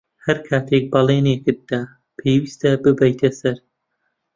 ھەر کاتێک بەڵێنێکت دا، پێویستە بیبەیتە سەر.